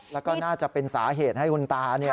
แล้วก็น่าจะเป็นสาเหตุให้คุณตา